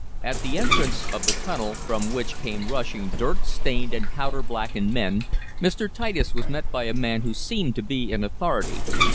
At the entrance of the tunnel, from which came rushing dirt stained and powder blackened men, Mr. Titus was met by a man who seemed to be in authority.